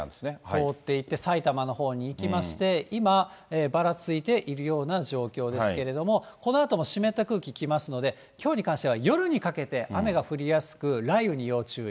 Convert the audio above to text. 通っていって、埼玉のほう行きまして、今、ばらついているような状況ですけれども、このあとも湿った空気来ますので、きょうに関しては、夜にかけて雨が降りやすく、雷雨に要注意。